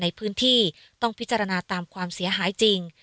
ในพื้นที่ต้องพิจารณาตามความเสียหายจริง